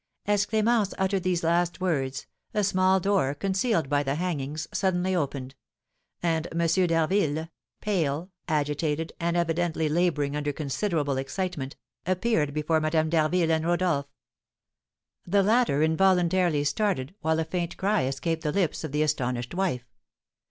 As Clémence uttered these last words, a small door, concealed by the hangings, suddenly opened; and M. d'Harville, pale, agitated, and evidently labouring under considerable excitement, appeared before Madame d'Harville and Rodolph. The latter involuntarily started, while a faint cry escaped the lips of the astonished wife.